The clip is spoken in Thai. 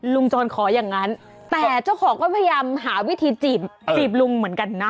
จรขออย่างนั้นแต่เจ้าของก็พยายามหาวิธีจีบลุงเหมือนกันนะ